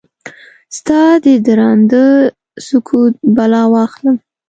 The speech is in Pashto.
ستا ددرانده سکوت بلا واخلم؟